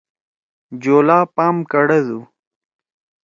جولا پام کڑَدُو۔